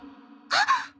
あっ！